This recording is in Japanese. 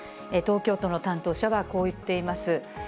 東京都の担当者はこう言っています。